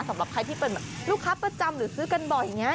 สำหรับใครที่เป็นแบบลูกค้าประจำหรือซื้อกันบ่อยอย่างนี้